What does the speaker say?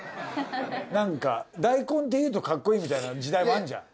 なんか大根っていうとカッコイイみたいな時代もあるじゃん。